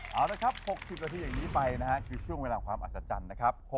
เอาละครับ๖๐นาทีอย่างนี้ไปนะฮะคือช่วงเวลาความอัศจรรย์นะครับ